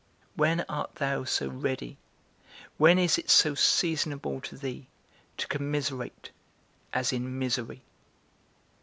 When art thou so ready, when is it so seasonable to thee, to commiserate, as in misery?